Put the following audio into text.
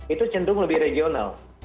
itu cenderung lebih regional